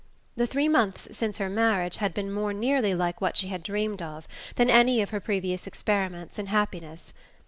The three months since her marriage had been more nearly like what she had dreamed of than any of her previous experiments in happiness.